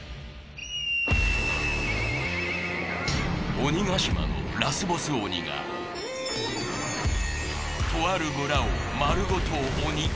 鬼ヶ島のラスボス鬼がとある村をまるごと鬼化